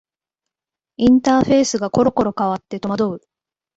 インターフェースがころころ変わって戸惑う